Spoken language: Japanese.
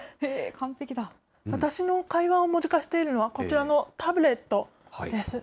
私の会話を文字化しているのはこちらのタブレットです。